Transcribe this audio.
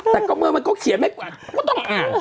แต่ก็เมื่อมันเขียนไหมก็ต้องอ่าน